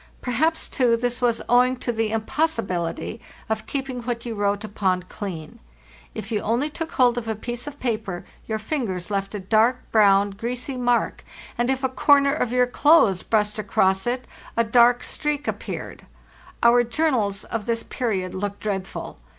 Perhaps, too, this was owing to the impossibility of keeping what you wrote upon clean; if you only took hold of a piece of paper your fingers left a dark brown, greasy mark, and ita corner of your clothes brushed across it, a dark streak appeared. Our journals of this period look dreadful.